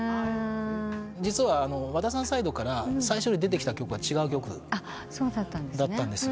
実は和田さんサイドから最初に出てきた曲は違う曲だったんです。